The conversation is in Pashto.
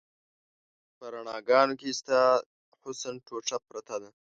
په رڼاګانو کې د ستا حسن ټوټه پرته ده